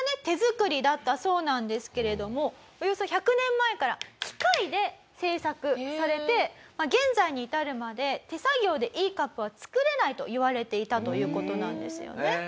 手作りだったそうなんですけれどもおよそ１００年前から機械で製作されて現在に至るまで手作業でいいカップは作れないといわれていたという事なんですよね。